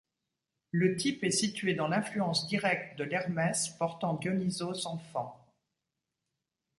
Le type est situé dans l'influence directe de l’Hermès portant Dionysos enfant.